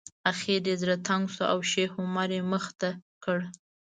اخر یې زړه تنګ شو او شیخ عمر یې مخې ته کړ.